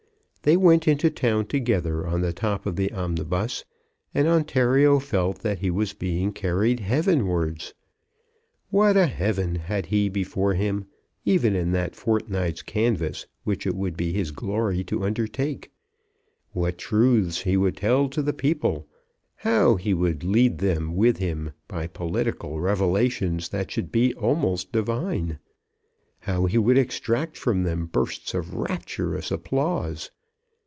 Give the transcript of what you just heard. They went into town together, on the top of the omnibus, and Ontario felt that he was being carried heavenwards. What a heaven had he before him, even in that fortnight's canvass which it would be his glory to undertake! What truths he would tell to the people, how he would lead them with him by political revelations that should be almost divine, how he would extract from them bursts of rapturous applause!